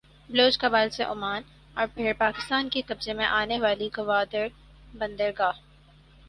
بلوچ قبائل سے عمان اور پھر پاکستان کے قبضے میں آنے والی گوادربندرگاہ